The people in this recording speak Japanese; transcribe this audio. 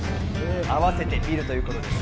あわせてみるということです。